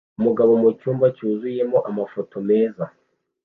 Umugabo mucyumba cyuzuyemo amafoto meza